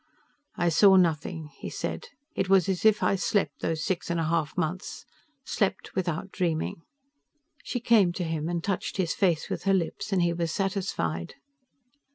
"I saw nothing," he said. "It was as if I slept those six and a half months slept without dreaming." She came to him and touched his face with her lips, and he was satisfied.